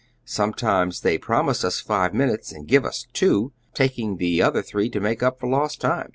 Sometimes they promise us five minutes and give us two, taking the other three to make up for lost time."